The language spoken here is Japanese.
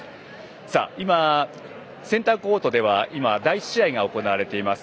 今、センターコートでは第１試合が行われています。